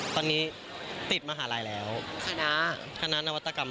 ตอนนี้ติดมหาลายแล้ววัฒนา